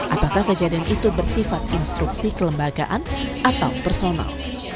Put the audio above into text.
apakah kejadian itu bersifat instruksi kelembagaan atau personal